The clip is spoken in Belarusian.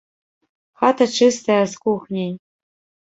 Хата чыстая з кухняй.